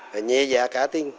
và nhẹ dạ cả tinh